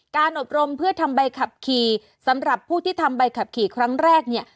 อบรมเพื่อทำใบขับขี่สำหรับผู้ที่ทำใบขับขี่ครั้งแรกเนี่ย